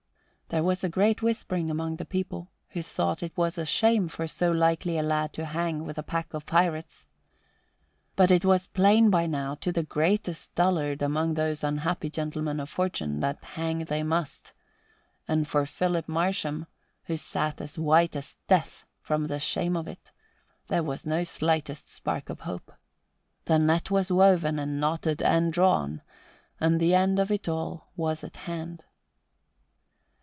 There was a great whispering among the people, who thought it was a shame for so likely a lad to hang with a pack of pirates. But it was plain by now to the greatest dullard among those unhappy gentlemen of fortune that hang they must; and for Philip Marsham, who sat as white as death from the shame of it, there was no slightest spark of hope. The net was woven and knotted and drawn, and the end of it all was at hand.